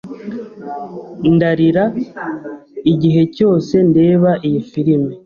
Ndarira igihe cyose ndeba iyi firime.